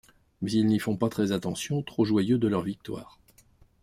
Mais ils n'y font pas très attention, trop joyeux de leur victoire.